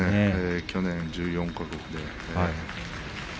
去年１４か国で。